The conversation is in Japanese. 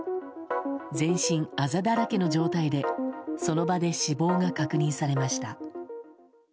全身あざだらけの状態でその場で死亡が確認されました。